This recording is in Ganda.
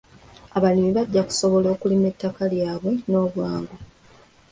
Abalimi bajja kusobola okulima ettaka lyabwe n'obwangu.